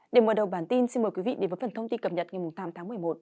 để mở đầu bản tin xin mời quý vị đến với phần thông tin cập nhật ngày tám tháng một mươi một